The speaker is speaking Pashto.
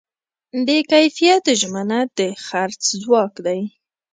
د کیفیت ژمنه د خرڅ ځواک دی.